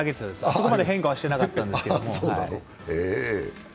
あそこまで変化はしてなかったですけど。